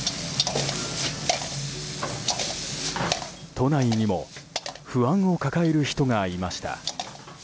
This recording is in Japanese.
都内にも不安を抱える人がいました。